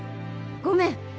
ごめん！